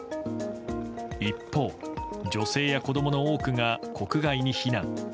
一方、女性や子供の多くが国外に避難。